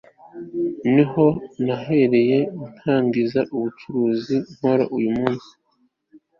niho nahereye ntangiza ubucuruzi nkora uyu munsi